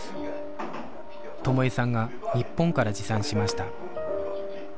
友枝さんが日本から持参しました